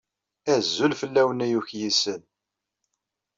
Azul fell-awen a yukyisen!